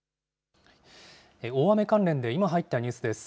大雨関連で今入ったニュースです。